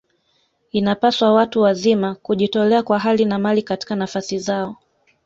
Inapaswa watu wazima kujitolea kwa hali na mali katika nafasi zao